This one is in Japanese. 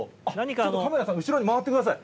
ちょっとカメラさん、後ろに回ってください。